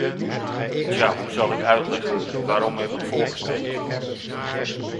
Tja, hoe zal ik uitleggen? waarom heb ik voor gestemd?